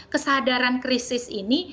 kesadaran krisis ini